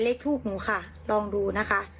เลขทูบหนูค่ะลองดูนะคะ